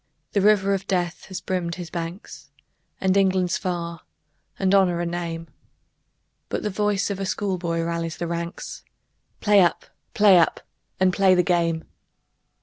The river of death has brimmed his banks, And England's far and Honor a name, But the voice of a schoolboy rallies the ranks, "Play up! Play up! And play the game!"